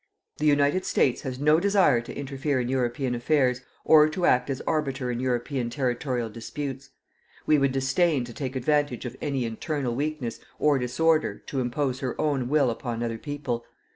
"The United States has no desire to interfere in European affairs or to act as arbiter in European territorial disputes. We would disdain to take advantage of any internal weakness or disorder to impose her own will upon another people.